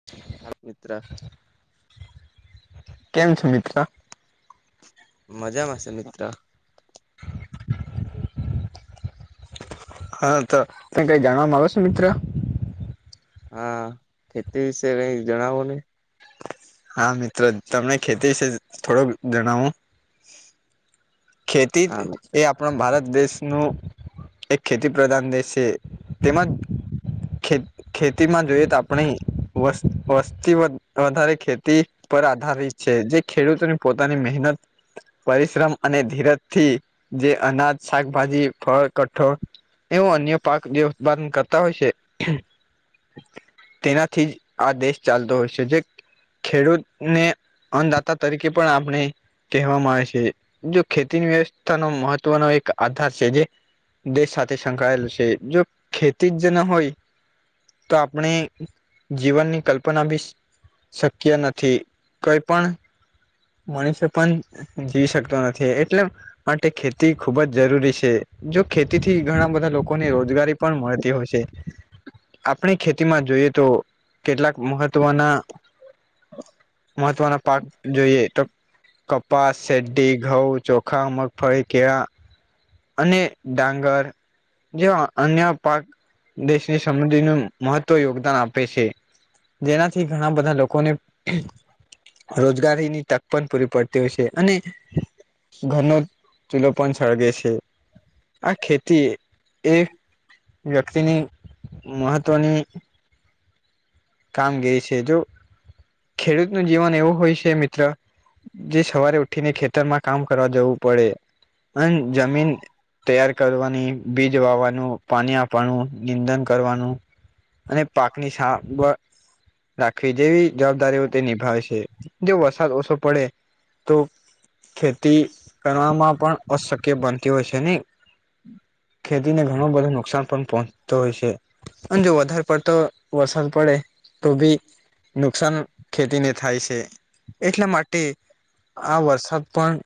[unintelligible] હાલ મિત્ર કેમ છો મિત્ર? મજામાં સે મિત્ર. હા તો તમેં કઈ જાણવા માંગો છો મિત્ર? હા ખેતી વિશે કઈક જણાવો ને. હા મિત્ર તમને ખેતી વિશે થોડોક જણાવો. ખેતી હા એ આપ આપણા ભારત દેશનું એક ખેતી પ્રધાન દેશ છે. તેમજ ખેત ખેતીમાં જોઈએ તો આપણી વસ વસ્તી વધ વધારે ખેતી પર આધારિત છે. જે ખેડૂતોની પોતાની મહેનત, પરિશ્રમ. અને ધીરજથી જે અનાજ, શાકભાજી, ફળ, કઠોળ. એવું અન્ય પાક જે ઉત્પાદન કરતા હોય છે. તેનાથી જ આ દેશ ચાલતો હોય છે. જે ખેડૂતને અન્નદાતા તરીકે પણ આપણે કહેવામાં આવે છે. જો ખેતી વ્યવસ્થાનો મહત્વનો એક આધાર છે. જે દેશ સાથે સંકળાયેલો છે. જો ખેતી જ ન હોય તો આપણે જીવનની કલ્પના બી શક્ય નથી. કોઈ પણ મનુષ્ય પણ જીવી શક તો નથી એટલે માટે ખેતી ખૂબ જ જરૂરી છે. જો ખેતીથી ઘણા બધા લોકોને રોજગારી પણ મળતી હોય છે. આપણી ખેતીમાં જોઈએ તો કેટલાક મહત્ત્વના મહત્વના પાક જોઈએ તો કપાસ છે. ટ્ટી, ઘઉ, ચોખા, મગફળી, કેળા. અને ડાંગર જેવા અન્ય પાક દેશની સમુદિનું મહત્વ યોગદાન આપે છે. જેનાથી ઘણા બધા લોકોને રોજગારીની તક પણ પૂરી પડતી હોય છે. અને ઘરનો ચૂલો પણ સળગે છે. આ ખેતી એ એ વ્યક્તિની મહત્વની કામગીરી છે. જો ખેડૂતનું જીવન એવું હોય છે મિત્ર જે સવારે ઉઠીને ખેતરમાં કામ કરવા જવું પડે. અને જમીન તૈયાર કરવાની, બીજ વાવવાનું, પાની આપવાનું, નિંદન કરવાનું. અને પાકની સાંભળ રાખવી જેવી જવાબદારીઓ તે નિભાવે છે. જો વરસાદ ઓછો પડે તો ખેતી કરવામાં પણ અશક્ય બનતી હોય છે ને. ખેતીને ઘણો બધો નુકસાન પણ પહોંચતો હોય છે. અન જો વધારે પડતો વરસાદ પડે તો ભી નુકસાન ખેતીને થાય છે. એટલા માટે આ વરસાદ પણ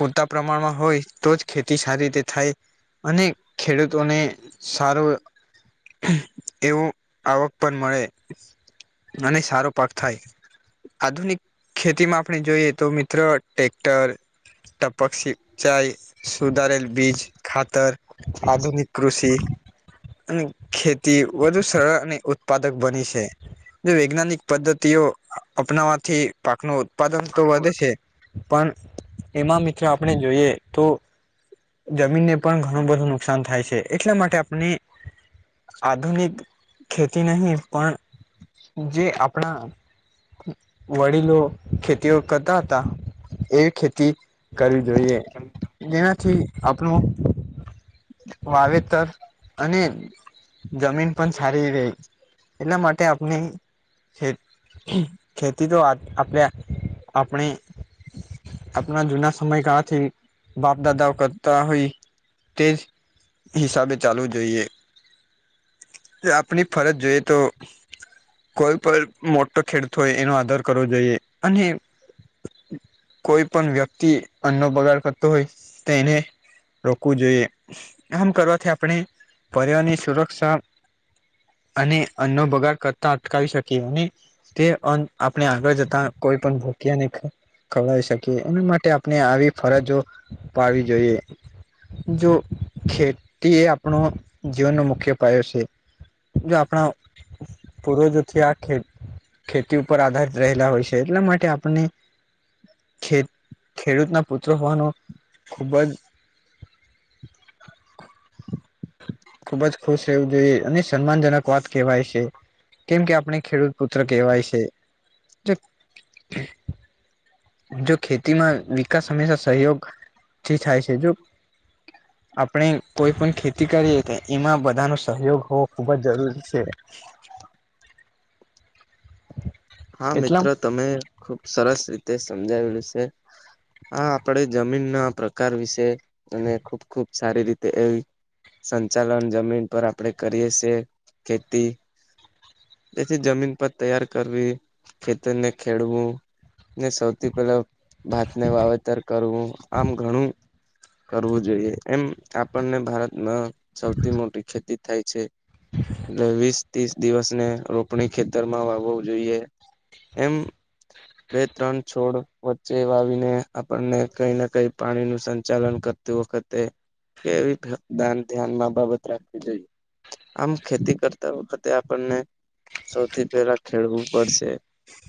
પૂરતા પ્રમાણમાં હોય તો જ ખેતી સારી રીતે થાય. અને ખેડૂતોને સારું એવું આવક પણ મળે. અને સારો પાક થાય. આધુનિક ખેતીમાં આપણે જોઈએ તો મિત્ર ટ્રેક્ટર ટપક સિંચાઈ, સુધારેલ બીજ, ખાતર. આધુનિક કૃષિ અને ખેતી વધુ સરળ અને ઉત્પાદક બની છે. જે વૈજ્ઞાનિક પદ્ધતિઓ અપનાવાથી પાકનું ઉત્પાદન તો વધે છે પણ એમાં મિત્ર આપણે જોઈએ તો જમીનને પણ ઘણું બધું નુકસાન થાય છે, એટલા માટે આપણે આધુનિક ખેતી નહી, પણ જે આપણા વડીલો ખેતી કરતા હતા. એવી ખેતી કરવી જોઈએ, જેનાથી આપણું વાવેતર અને જમીન પણ સારી રહે, એટલા માટે આપણી ખેતી તો આપણે આપણા જૂના સમયગાળાથી બાપ-દાદાઓ કરતા હોય તે જ હિસાબે ચાલુ જોઈએ. તે આપની ફરજ જોઈએ તો કોઈ પણ મોટો ખેડૂત હોય એનો આદર કરવો જોઈએ અને કોઈ પણ વ્યક્તિ અન્નો બગાડ કરતો હોય તેને રોકવું જોઈએ, આમ કરવાથી આપણે પર્યાવરણની સુરક્ષા અને અન્નો બગાળ કરતા અટકાવી શકીએ અને તે અન્ન આપણે આગળ જતા કોઈ પણ ભૂખીયાને ખવડાવી શકીએ. એની માટે આપણે આપણે આવી ફરજો નિભાવી જોઈએ. જો ખેતી એ આપણો જીવનનો મુખ્ય પાયો છે. જો આપણા પૂર્વજોથી આ ખેતી ખેતી ઉપર આધારિત રહેલા હોય છે, એટલા માટે આપને ખેડૂતના પુત્ર હોવાનો ખૂબ જ ખુબ જ ખુશ રહેવું જોઈએ અને સન્માનજનક વાત કહેવાય છે. કેમ કે આપણે ખેડૂત પુત્ર કહેવાય છે. જો જો ખેતીમાં વિકાસ હંમેશા સહયોગથી થાય છે. જો આપણે કોઈ પણ ખેતી કરીએ તો એમાં બધાનો સહયોગ હોવો ખૂબ જ જરૂરી છે. હા, એટલા મિત્ર તમે ખુબ સરસ રીતે સમજાવ્યું છે. આ આપણે જમીનના પ્રકાર વિશે અને ખુબ ખુબ સારી રીતે એવી સંચાલન જમીન પર આપણે કરીએ છે. ખેતી તેથી જમીન પર તૈયાર કરવી ખેતરને ખેડવું ને સૌથી પહેલા ભાતને વાવેતર કરવું આમ ઘણું કરવું જોઈએ. એમ આપણને ભારતમાં સૌથી મોટી ખેતી થાય છે. એટલે વીસ-ત્રીસ દિવસને રોપણી ખેતરમાં વાવવું જોઈએ. એમ બે-ત્રણ છોડ વચ્ચે વાવીને આપણને કઈને કઈ પાણીનું સંચાલન કર કરતી વખતે કેવી દાન ધ્યાનમાં બાબત રાખવી જોઈએ. આમ ખેતી કરતા વખતે આપણને સૌથી પહેલા ખેડવું પડશે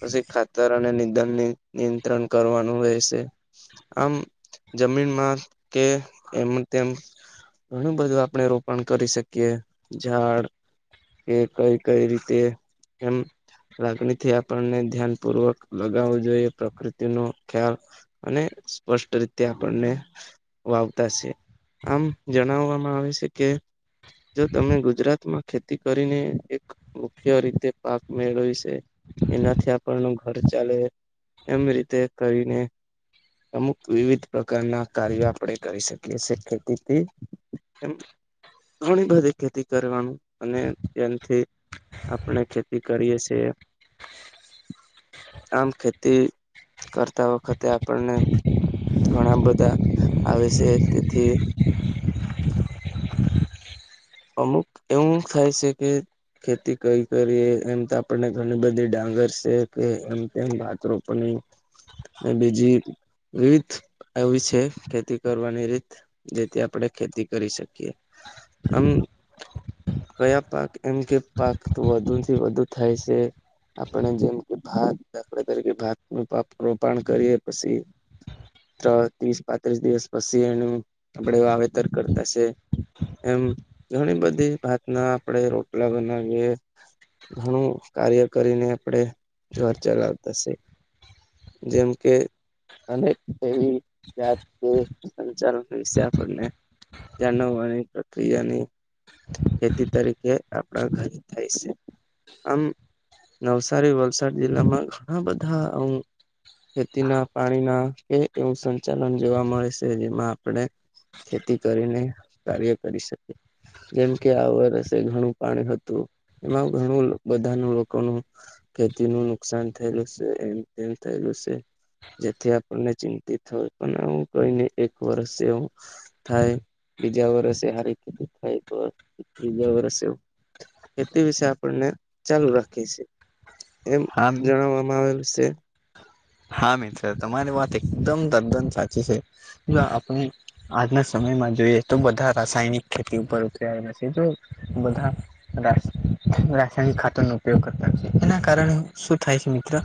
પછી ખાતર ખાતર અને નિંદણ કરવાનું રહેશે. આમ જમીનમાં કે એમ-તેમ ઘણું બધું આપણે રોપણ કરી શકીએ ઝાડ કે કઈ કઈ રીતે એમ લાગણીથી આપણને ધ્યાન પૂર્વક લગાવું જોઈએ પ્રકૃતિનો ખ્યાલ અને સ્પષ્ટ રીતે આપડને વાવતા શે. આમ જણાવામાં આવે શે કે જો તમે ગુજરાતમાં ખેતી કરીને એક મુખ્ય રીતે પાક મેળવી શે, એનાથી આપ પણું ઘર ચાલે, એમ રીતે કરીને અમુક વિવિધ પ્રકારના કાર્ય આપળે કરી શકીએ સે ખેળકુતી. એમ ઘણી બધી ખેતી કરવાનું અને એનથી આપણે ખેતી કરીએ સે. આમ ખેતી કરતા વખતે આપણને ઘણા બધા આવે સે તેથી અમુક એવું થાય સે કે ખેતી કઈ કરીએ એમ તો આપણને ઘણી બધી ડાંગર સે કે એમ તેમ ભાત રો પણ નય ને બીજી વિવિધ એવી છે ખેતી કરવાની રીત. જેથી, આપળે ખેતી કરી શકીએ. આમ કયા પાક એમ કે પાક વધુન થી વધુ થાય સે આપણે જેમ કે ભાત આપળે, દાખલ તરીકે ભાતનું પાક રોપણ કરીએ પસી ત્ર ત્રીસ પાંત્રીસ દિવસ પસી એનું આપળે વાવેતર કરતા સે. એમ ઘણી બધી ભાતના આપળે રોટલા બનાવીએ. ઘણું કાર્ય કરીને આપળે ઘર ચલાવતા સે. જેમ કે અને, એવી જાત [unintelligible] સંચાલન વિશે આપણને જાણવવાની પ્રક્રિયાની ખેતી તરીકે આપળા ઘર થાય સે. આમ નવસારી, વલસાડ જિલ્લામાં ઘણા બધા અમ ખેતી ના, પાણી ના એ એવું સંચાલન જોવા મળે છે જેમાં આપળે ખેતી કરીને કાર્ય કરી શકીએ. જેમ કે આ વર્ષે ઘણું પાણી હતું, એમાં ઘણું બધાનું લોકોનું ખેતી નું નુકસાન થૈયલું સે, એમ તેમ થૈયલું સે. જેથી આપણને ચિંતિત હોય, પણ હું કૈયને એક વર્ષ એવું થાય, બીજા વર્સેે હારી ખેતી થાય પણ, ત્રીજા વર્સે ખેતી વિશે આપણને ચાલુ રાખીએ સે. એમ હા જણાવામાં આવેલું સે. હા મિત્ર તમારી વાત એકદમ તદ્દન સાચી છે, જો આપણે આજના સમયમાં જોઈએ તો, બધા રાસાયણિક ખેતી ઉપર ઉતત્રાઆલા સે જો બધા રાસ રાસાયણિક ખાતરનો ઉપયોગ કરતા છે, એના કારણે શું થાય છે મિત્ર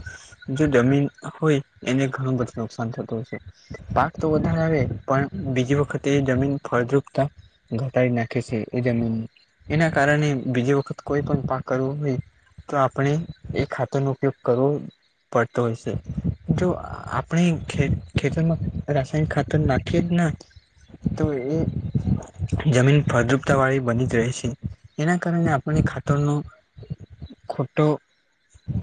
જો જમીન હોય એને ઘણું બધું નુકસાન થતું હોય છે. પાક તો વધારે આવે પણ બીજી વખતે જમીન ફળદ્રુપતા ઘટાળ નાખે સે એ જમીનની, એના કારણે બીજી વખત કોઈ પણ પાક કરવું હોય તો આપણે એ ખાતરનો ઉપયોગ કરવો પડતો હોય સે. જો આપણેે ખેત ખેતરમાં રાસાયણિક ખાતર નાખીએ જ ના તો એ જમીન ફળદ્રુપતા વાળી બની જાય છે, એના કારણે આપણને ખાતરનું ખોટો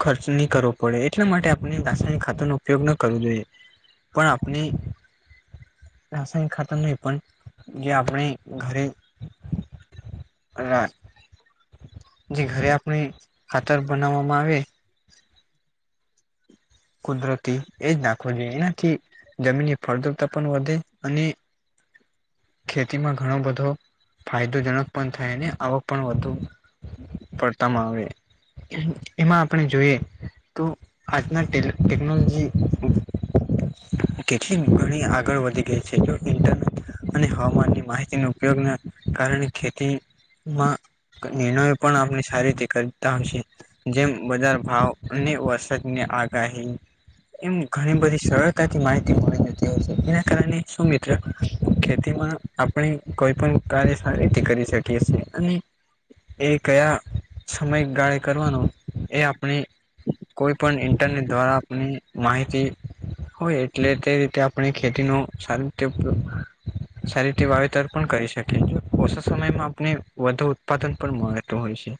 ખર્ચ ની કરવો પડે એટલા માટે આપણે રાસાયણિક ખાતર નો ઉપયોગ ન કરવો જોઈએ, પણ આપણે રાસાયણિક ખાતર નય પણ જે આપણે ઘરે રા જે ઘરે આપણે ખાતર બનાવામાં આવે કુદરતી એ જ નાખવું જોઈએ એનાથી જમીનની ફળદ્રુપતા પણ વધે અને ખેતીમાં ઘણો બધો ફાયદોજનક પણ થાય ને આવક પણ વધુ પડતા માં આવે. એમ એમાં આપણે જોએ તો આજના ટેલ ટેકનોલોજી અહ કેટલી ઘણી આગળ વધી ગઈ છે જો ઇન્ટરનેટ અને હવામાનની માહિતીનો ઉપયોગના કારણે ખેતીમાં ક નિર્ણયો પણ આપણે સારી રીતે કરતા હશે. જેમ બજાર ભાવ અને વરસાદ ની આગાહી એમ ઘણી બધી સરળતાથી માહિતી મળી જતી હોય છે એના કારણે શું મિત્ર ખેતીમાં આપણે કોઈ પણ કાર્ય સારી રીતે કરી શકીએ છેએ અને એ કયા સમયગાળે કરવાનો એ આપણે કોઈ પણ ઇન્ટરનેટ દ્વારા આપણી માહિતી હોય એટલે તે રીતે આપણે ખેતીનો સારું કે ઉપયોગ સારી રીતે વાવેતર પણ કરી શકીએ ઓછા સમયમાં આપને વધુ ઉત્પાદન પણ મળતું હોય છે.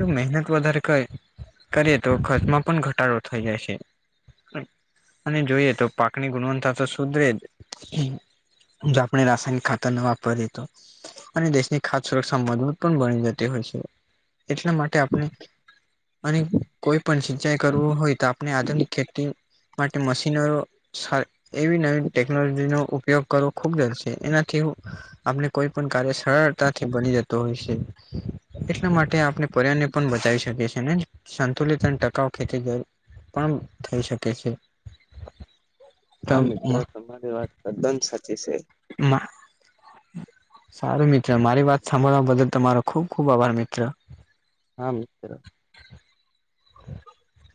નું મહેનત વધારે કએ કરીએ તો ખર્ચમાં પણ ઘટાડો થઈ જાય છે. હમ્મ અને જોઈએ તો પાકની ગુણવત્તા તો સુધરે જ હમ્મ. જો આપણે રાસાયનિક ખાતરનો વાપરીએ તો. અને દેશની ખાત સુરક્ષા મજબૂત પણ બની જતી હોય છે એટલા માટે આપણે અને કોઈ પણ સિંચાઈ કરવું હોય તો આપણે આધુનિક ખેતી માટે મશીનરો સ એવી નવી ટેકનોલોજીનો ઉપ ઉપયોગ કરવો ખૂબ જરૂરી છે. એનાથી આપને કોઈ પણ કાર્ય સરળતાથી બની જતું હોય છે. એટલા માટે આપણે પર્યાવરણને પણ બતાવી શકીએ છે ને. સંતુલિત અને ટકાઉ ખેતી પણ થઈ શકે છે. હા મિત્ર તમારી વાત તદ્દન સાચી છે. માં. સારું મિત્ર મારી વાત સાંભળવા બદલ તમારો ખુબ ખુબ આભાર મિત્ર. હા મિત્ર. [inaudible]